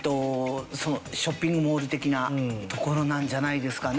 ショッピングモール的な所なんじゃないですかね。